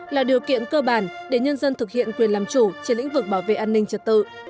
là điều kiện cơ bản để nhân dân thực hiện quyền làm chủ trên lĩnh vực bảo vệ an ninh trật tự